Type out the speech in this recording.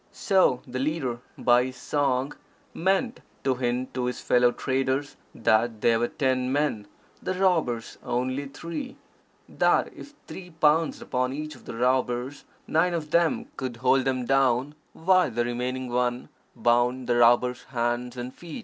So the leader by his song meant to hint to his fellow traders that they were ten men, the robbers only three, that if three pounced upon each of the robbers, nine of them could hold them down, while the remaining one bound the robbers' hands and feet.